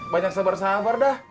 banyak sabar sabar dah